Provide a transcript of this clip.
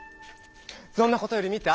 そんなことより見た？